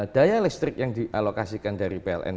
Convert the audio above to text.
daya listrik yang dialokasikan dari pln